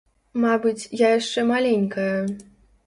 Мабыць, я яшчэ маленькая.